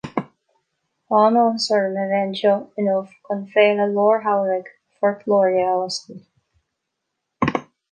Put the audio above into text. Tá an-áthas orm a bheith anseo inniu chun Féile Lár-Shamhraidh Phort Láirge a oscailt.